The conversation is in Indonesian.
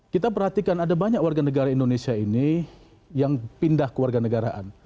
kita perhatikan ada banyak warga negara indonesia ini yang pindah ke warga negaraan